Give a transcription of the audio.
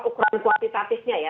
ukuran kuantitatifnya ya